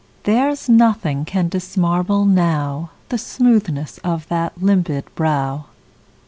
There's nothing can dismarble now The smoothness of that limpid brow.